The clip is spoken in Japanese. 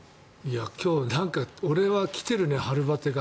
今日、俺は来てるね春バテが。